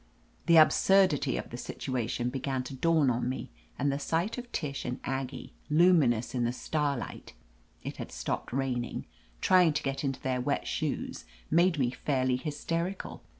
The absurdity of the situation began to dawn on me, and the sight of Tish and Aggie, luminous in the starlight — it had stopped rain ing — ^trying to get into their wet shoes, made me fairly hysterical.